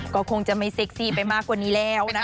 ก็คงจะไม่เซ็กซี่ไปมากกว่านี้แล้วนะ